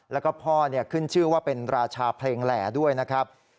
แล้วก็พ่อขึ้นชื่อว่าเป็นราชาเพลงแหล่ด้วยนะครับ